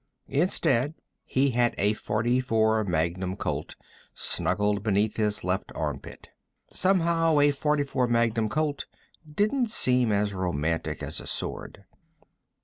Instead, he had a .44 Magnum Colt snuggled beneath his left armpit. Somehow, a .44 Magnum Colt didn't seem as romantic as a sword.